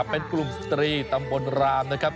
เป็นกลุ่มสตรีตำบลรามนะครับ